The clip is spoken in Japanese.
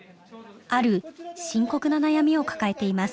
ある深刻な悩みを抱えています。